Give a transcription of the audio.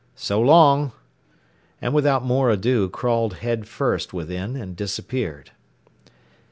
"So long!" and without more ado crawled head first within and disappeared.